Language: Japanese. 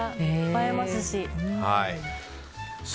映えますし。